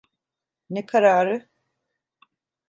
Ne kararı?